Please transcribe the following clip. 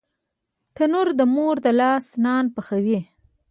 تنور د مور لاس نان پخوي